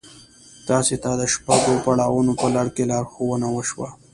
تاسې ته د شپږو پړاوونو په لړ کې لارښوونه وشوه.